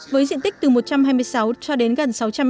với diện tích từ một trăm hai mươi sáu cho đến gần sáu trăm linh m hai